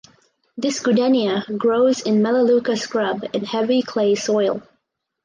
This goodenia grows in "Melaleuca" scrub in heavy clay soil.